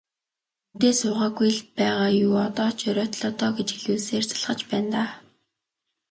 Хүнтэй суугаагүй л байгаа юу, одоо ч оройтлоо доо гэж хэлүүлсээр залхаж байна даа.